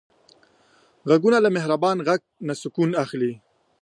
غوږونه له مهربان غږ نه سکون اخلي